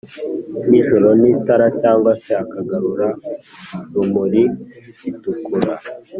nijoro nitara cg se akagarurarumuri bitukura